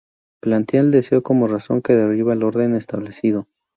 Plantea el deseo como razón que derriba el orden establecido.